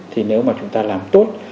thì nếu mà chúng ta làm tốt